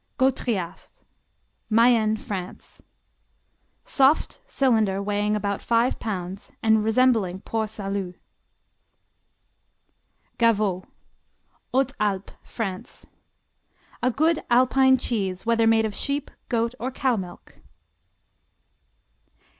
_ Gautrias Mayenne, France Soft, cylinder weighing about five pounds and resembling Port Salut. Gavot Hautes Alpes, France A good Alpine cheese whether made of sheep, goat or cow milk.